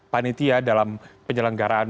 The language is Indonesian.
panitia dalam penyelenggaraan